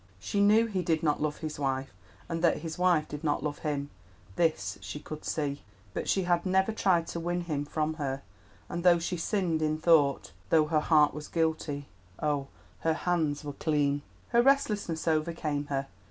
She knew he did not love his wife and that his wife did not love him—this she could see. But she had never tried to win him from her, and though she sinned in thought, though her heart was guilty—oh, her hands were clean! Her restlessness overcame her.